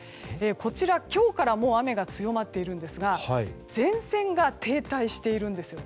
こちら、今日から雨が強まっているんですが前線が停滞しているんです。